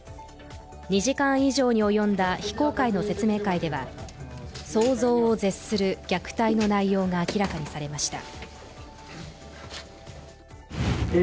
２時間以上に及んだ非公開の説明会では想像を絶する虐待の内容が明らかにされました。